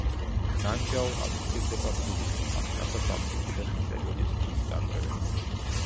ნანჯაო ასოცირდება ბუდიზმთან, რასაც ამტკიცებენ იმ პერიოდის ქვის წარწერები.